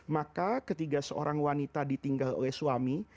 maka ketika seorang wanita ditinggal oleh suami